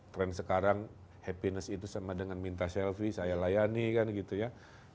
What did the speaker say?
trend sekarang happiness itu sama dengan minta selfie saya layani kan gitu ya